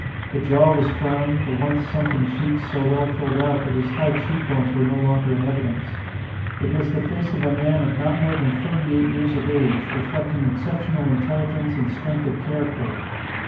The jaw was firm, the once sunken cheeks so well filled out that his high cheek bones were no longer in evidence. It was the face of a man of not more than thirty eight years of age, reflecting exceptional intelligence and strength of character.